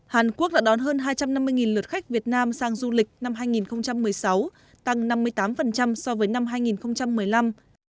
hàn quốc đã đón hơn hai trăm năm mươi lượt khách việt nam sang du lịch năm hai nghìn một mươi sáu tăng năm mươi tám so với năm hai nghìn một mươi năm